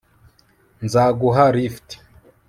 nzaguha lift